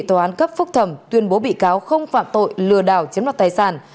tòa án cấp phúc thẩm tuyên bố bị cáo không phạm tội lừa đảo chiếm đoạt tài sản